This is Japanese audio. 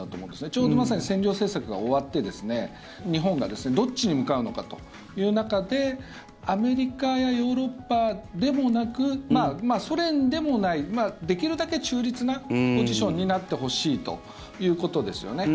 ちょうどまさに占領政策が終わって日本がどっちに向かうのかという中でアメリカやヨーロッパでもなくソ連でもないできるだけ中立なポジションになってほしいということですよね。